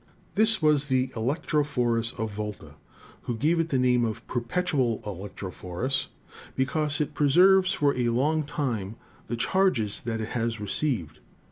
This was the electrophorus of Volta, who gave it the name of "perpetual electro phorus" because it preserves for a long time the charges that it has received.